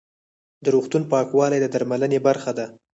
د روغتون پاکوالی د درملنې برخه ده.